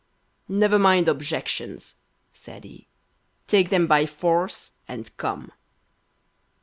"Never mind objections," said he, "take them by force and come."